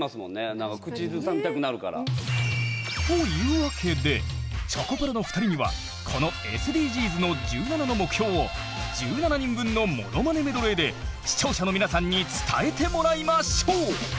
何か口ずさみたくなるから。というわけでチョコプラの２人にはこのＳＤＧｓの１７の目標を１７人分のものまねメドレーで視聴者の皆さんに伝えてもらいましょう。